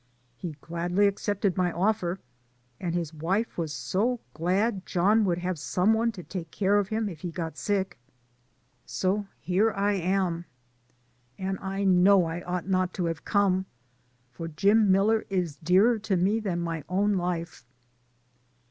He gladly accepted my offer, and his wife was so glad John would have some one to take care of him if he got sick. So here I am and I know I ought not to have come, for Jim Miller is dearer to me than my own life."